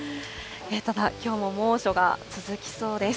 ただきょうも猛暑が続きそうです。